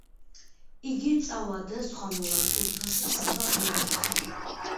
გი წავა და სხვა მოვა ტურფასა საბაღნაროსა;